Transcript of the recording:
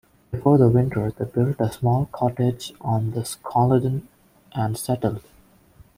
Before the winter they built a small cottage on the Skoludden, and settled.